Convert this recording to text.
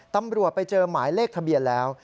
ตำรวจไปเจอหมายเลขทะเบียนแล้ว